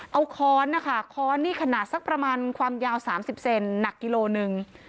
เอาค้อนนะคะค้อนนี่ขนาดสักประมาณความยาว๓๐เซนหนักกิโลหนึ่ง